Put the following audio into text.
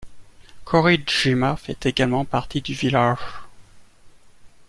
Kōri-jima fait également partie du village.